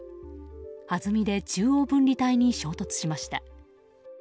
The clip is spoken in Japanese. はずみで中央分離帯に衝突しました。